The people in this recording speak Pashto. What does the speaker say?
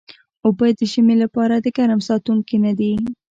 اوبه د ژمي لپاره ګرم ساتونکي نه دي